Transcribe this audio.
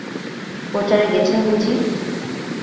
প্রচারে গেছেন বুঝি?